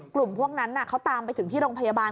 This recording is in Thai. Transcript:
กลุ่มพวกนั้นเขาตามไปถึงที่โรงพยาบาล